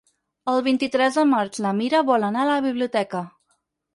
El vint-i-tres de maig na Mira vol anar a la biblioteca.